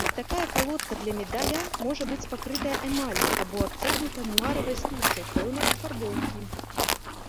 Такая калодка для медаля можа быць пакрытая эмаллю, або абцягнута муаравай стужкай пэўнай афарбоўкі.